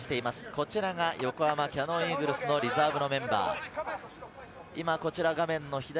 こちらが横浜キヤノンイーグルスのリザーブメンバー。